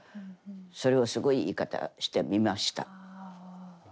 それをすごい言い方してみました。